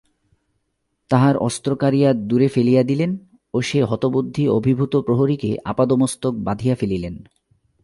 তাহার অস্ত্র কাড়িয়া দূরে ফেলিয়া দিলেন ও সেই হতবুদ্ধি অভিভূত প্রহরীকে আপাদমস্তক বাঁধিয়া ফেলিলেন।